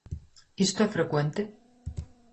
¿Isto é frecuente?